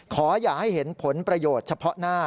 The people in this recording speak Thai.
ขออย่าให้เห็นผลประโยชน์เฉพาะหน้า